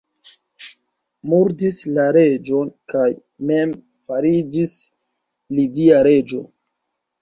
Murdis la reĝon kaj mem fariĝis lidia reĝo.